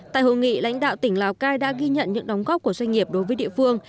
tại hội nghị lãnh đạo tỉnh lào cai đã ghi nhận những đóng góp của doanh nghiệp đối với địa phương